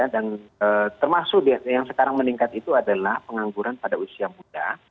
dan termasuk yang sekarang meningkat itu adalah pengangguran pada usia muda